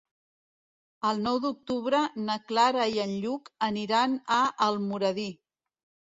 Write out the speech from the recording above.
El nou d'octubre na Clara i en Lluc aniran a Almoradí.